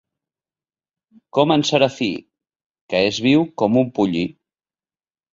Com en Serafí, que és viu com un pollí.